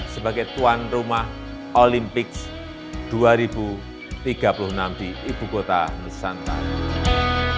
sebagai tuan rumah olimpiks dua ribu tiga puluh enam di ibu kota nusantara